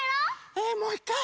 えもういっかい？